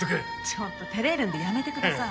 ちょっと照れるのでやめてください。